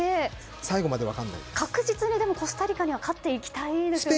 確実にコスタリカには勝っていきたいですね。